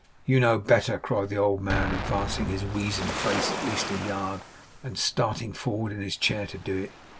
'You know better,' cried the old man, advancing his weazen face at least a yard, and starting forward in his chair to do it.